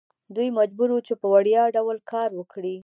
دوی مجبور وو چې په وړیا ډول کار وکړي.